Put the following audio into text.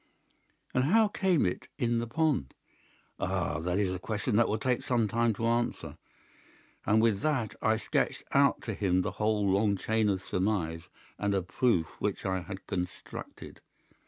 "'And how came it in the pond?' "'Ah, that is a question that will take some time to answer.' And with that I sketched out to him the whole long chain of surmise and of proof which I had constructed.